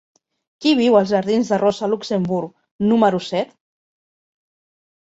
Qui viu als jardins de Rosa Luxemburg número set?